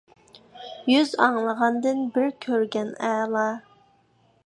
يۈز ئاڭلىغاندىن بىر كۆرگەن ئەلا.